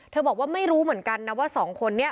บอกว่าไม่รู้เหมือนกันนะว่าสองคนนี้